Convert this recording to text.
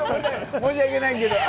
申し訳ないけれども。